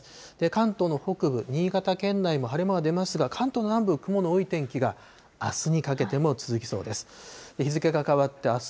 関東の北部、新潟県内も晴れ間が出ますが、関東の南部、雲の多い天気が、あすにかけても続きそうです。